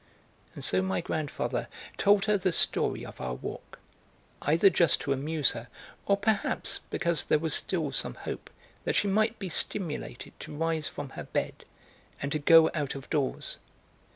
And so my grandfather told her the story of our walk, either just to amuse her, or perhaps because there was still some hope that she might be stimulated to rise from her bed and to go out of doors.